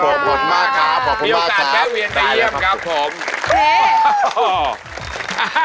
พี่อุตสานแบลกแวนตายเยี่ยมครับครับผม